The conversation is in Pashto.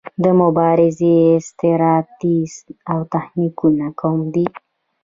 د مبارزې ستراتیژي او تخنیکونه کوم دي؟